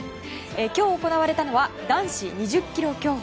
今日行われたのは男子２０ｋｍ競歩。